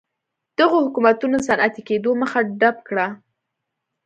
دغو حکومتونو د صنعتي کېدو مخه ډپ کړه.